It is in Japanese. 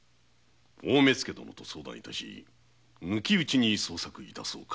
大目付殿と相談致し抜き打ちに捜索致そうかと。